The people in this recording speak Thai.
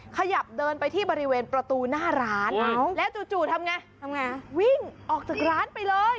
ขยับเดินไปที่บริเวณประตูหน้าร้านแล้วจู่ทำไงทำไงวิ่งออกจากร้านไปเลย